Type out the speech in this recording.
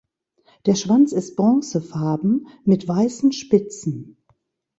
Der Schwanz ist bronzefarben mit weißen Spitzen.